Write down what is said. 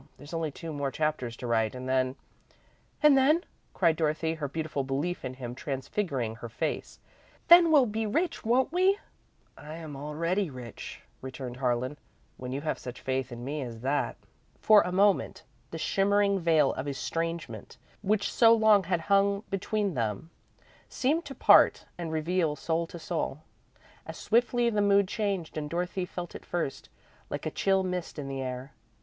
There's only two more chapters to write, and then " "And then," cried Dorothy, her beautiful belief in him transfiguring her face, "then we'll be rich, won't we?" "I am already rich," returned Harlan, "when you have such faith in me as that." For a moment the shimmering veil of estrangement which so long had hung between them, seemed to part, and reveal soul to soul. As swiftly the mood changed and Dorothy felt it first, like a chill mist in the air.